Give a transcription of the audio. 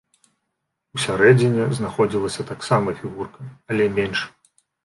Усярэдзіне знаходзілася таксама фігурка, але менш.